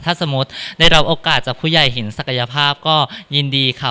ถ้าสมมติได้รับโอกาสจากผู้ใหญ่เห็นศักยภาพก็ยินดีค่ะ